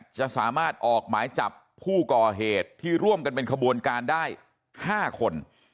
จะสามารถออกหมายจับผู้ก่อเหตุที่ร่วมกันเป็นขบวนการได้๕คน